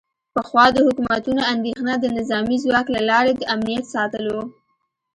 پخوا د حکومتونو اندیښنه د نظامي ځواک له لارې د امنیت ساتل و